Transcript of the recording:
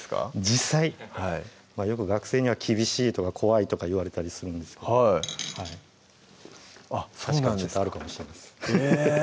実際よく学生には「厳しい」とか「怖い」とか言われたりするんですけどあっそうなんですかちょっとあるかもしれないです